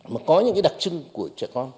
mà có những cái đặc trưng của trẻ con